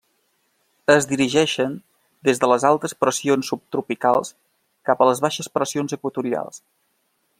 Es dirigeixen des de les altes pressions subtropicals, cap a les baixes pressions equatorials.